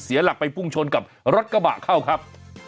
หลักไปพุ่งชนกับรถกระบะเข้าครับ